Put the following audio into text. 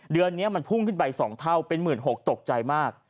เดือนนี้มันพุ่งขึ้นไป๒เท่าเป็น๑๖๐๐ตกใจมาก